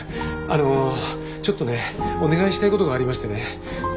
あのちょっとねお願いしたいことがありましてね。